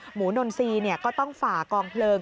หมูนนซีเนี่ยก็ต้องฝากลองเพลิง